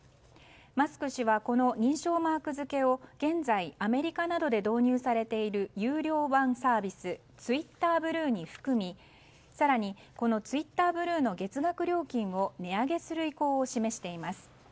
マスク氏はこの認証マーク付けを現在、アメリカなどで導入されている有料版サービスツイッターブルーに含み更に、このツイッターブルーの月額料金を値上げする意向を示しています。